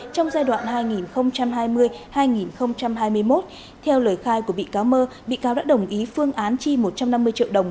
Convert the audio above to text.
trong giai đoạn hai nghìn hai mươi hai nghìn hai mươi một theo lời khai của bị cáo mơ bị cáo đã đồng ý phương án chi một trăm năm mươi triệu đồng